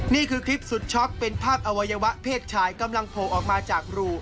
นี่คือคลิปสุดช็อกเป็นภาพอวัยวะเพศชายกำลังโผล่ออกมาจากรู